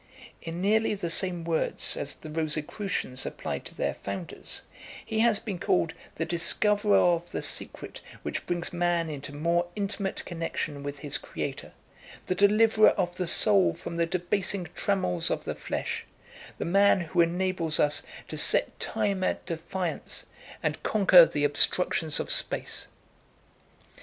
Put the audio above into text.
In nearly the same words as the Rosicrucians applied to their founders, he has been called the discoverer of the secret which brings man into more intimate connexion with his Creator, the deliverer of the soul from the debasing trammels of the flesh, the man who enables us to set time at defiance, and conquer the obstructions of space.